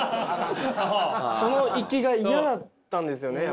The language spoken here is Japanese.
その行きが嫌だったんですよね。